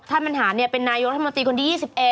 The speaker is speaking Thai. ท่านบรรหารเป็นนายุงธรรมดีคนที่๒๑